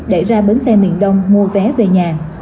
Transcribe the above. để ra bến xe miền đông mua vé về nhà